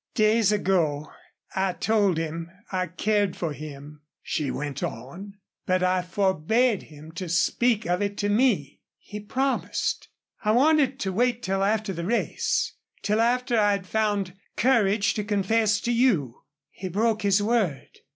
"Days ago I told him I cared for him," she went on. "But I forbade him to speak of it to me. He promised. I wanted to wait till after the race till after I had found courage to confess to you. He broke his word....